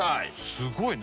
すごいね！